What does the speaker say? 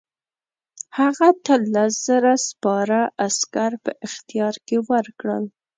هغه ته لس زره سپاره عسکر په اختیار کې ورکړل.